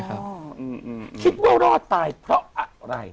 คิดว่ารอดตายเพราะอะไร